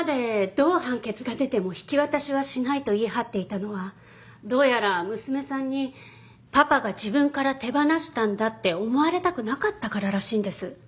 「どう判決が出ても引き渡しはしない」と言い張っていたのはどうやら娘さんに「パパが自分から手放したんだ」って思われたくなかったかららしいんです。